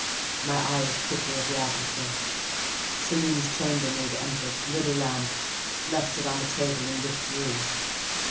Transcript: My eye was quickly at the aperture. Céline's chamber maid entered, lit a lamp, left it on the table, and withdrew.